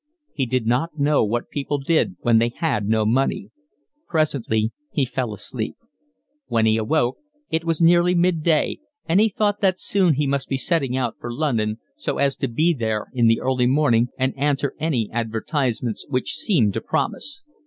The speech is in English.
He did not know what people did when they had no money. Presently he fell asleep. When he awoke it was nearly mid day, and he thought that soon he must be setting out for London so as to be there in the early morning and answer any advertisements which seemed to promise.